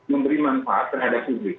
memberi manfaat terhadap publik